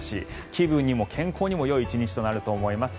気分にも健康にもよい１日となると思います。